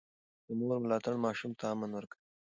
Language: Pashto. د مور ملاتړ ماشوم ته امن ورکوي.